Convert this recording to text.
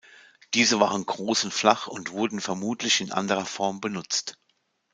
Diese waren groß und flach und wurden vermutlich in anderer Form benutzt.